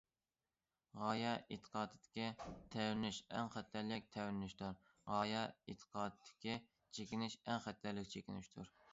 غايە- ئېتىقادتىكى تەۋرىنىش ئەڭ خەتەرلىك تەۋرىنىشتۇر، غايە- ئېتىقادتىكى چېكىنىش ئەڭ خەتەرلىك چېكىنىشتۇر.